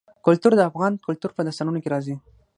کلتور د افغان کلتور په داستانونو کې راځي.